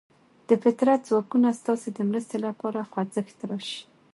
د فطرت ځواکونه ستاسې د مرستې لپاره خوځښت راشي.